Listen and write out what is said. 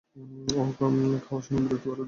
ওহ, খাওয়ার সময় বিরক্ত করায় দুঃখিত।